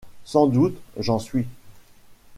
Sans doute, j’en suis.